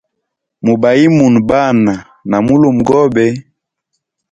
Mubayimune Bana na mulumegobe.